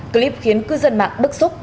clip khiến cư dân mạng bức xúc